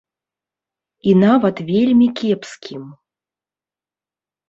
І нават вельмі кепскім.